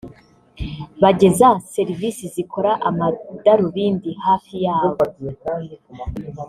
bageza serivisi zikora amadarubindi hafi ya bo